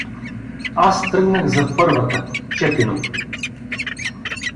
Аз тръгнах за първата — Чепино.